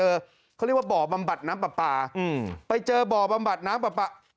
เขาเรียกว่าบ่อบำบัดน้ำปลาปลาอืมไปเจอบ่อบำบัดน้ำปลาปลา